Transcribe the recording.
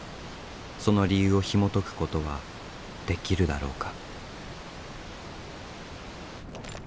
その理由をひもとくことはできるだろうか。